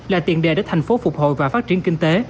là tiền đề để thành phố phục hồi và phát triển kinh tế